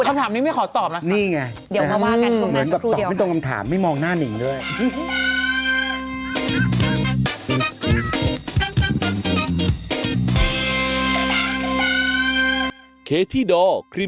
คำถามนี้ไม่ขอตอบนะครับเดี๋ยวมาว่ากันช่วงหน้าชั่วครู่เดียวค่ะอืม